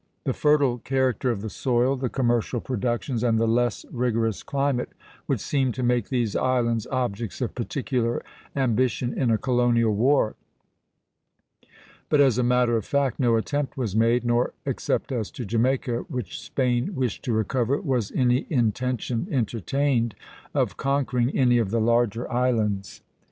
The fertile character of the soil, the commercial productions, and the less rigorous climate would seem to make these islands objects of particular ambition in a colonial war; but as a matter of fact no attempt was made, nor, except as to Jamaica, which Spain wished to recover, was any intention entertained of conquering any of the larger islands.